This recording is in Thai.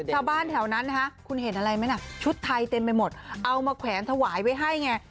ชาวบ้านแถวนั้นนะคะคุณเห็นอะไรไหมน่ะชุดไทยเต็มไปหมดเอามาแขวนถวายไว้ให้ไง